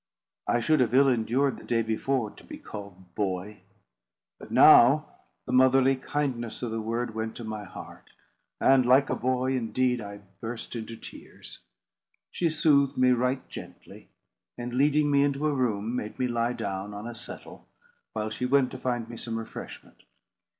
I should have ill endured, the day before, to be called boy; but now the motherly kindness of the word went to my heart; and, like a boy indeed, I burst into tears. She soothed me right gently; and, leading me into a room, made me lie down on a settle, while she went to find me some refreshment.